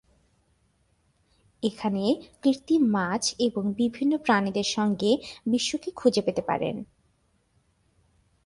এখানে কৃত্রিম মাছ এবং বিভিন্ন প্রাণীদের সঙ্গে, বিশ্বকে খুঁজে পেতে পারেন।